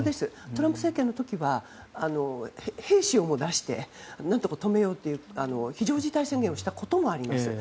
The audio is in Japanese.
トランプ政権の時は兵士を出して何とか止めようと非常事態宣言をしたこともあります。